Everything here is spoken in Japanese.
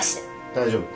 大丈夫。